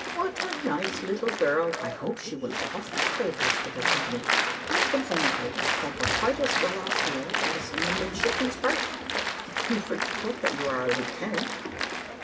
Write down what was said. "What a nice little girl! I hope she will often favour us with her company. I've been thinking, Peter, that we're quite as well off here, as in a midshipman's berth." "You forget that you are a lieutenant."